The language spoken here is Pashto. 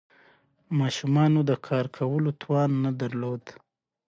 ماشومانو د کار کولو توان نه درلود.